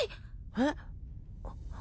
えっ？